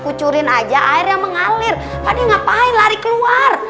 kucurin aja airnya mengalir pak d ngapain lari keluar